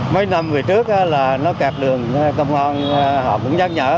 mấy năm về trước là nó kẹt đường công an họ cũng nhắc nhở